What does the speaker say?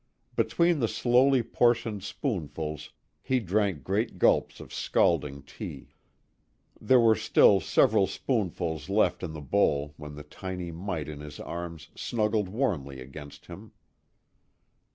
Between the slowly portioned spoonfuls he drank great gulps of scalding tea. There were still several spoonfuls left in the bowl when the tiny mite in his arms snuggled warmly against him.